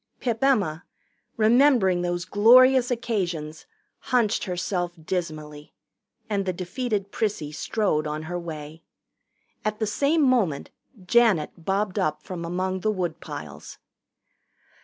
Pip Emma, remembering those glorious occasions, hunched herself dismally, and the defeated Prissy strode on her way. At the same moment Janet bobbed up from among the woodpiles.